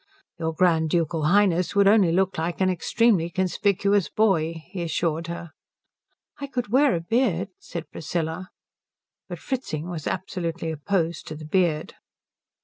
"Your Grand Ducal Highness would only look like an extremely conspicuous boy," he assured her. "I could wear a beard," said Priscilla. But Fritzing was absolutely opposed to the beard.